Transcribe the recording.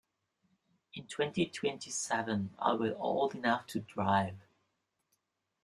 In twenty-twenty-seven I will old enough to drive.